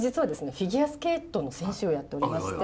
フィギュアスケートの選手をやっておりまして。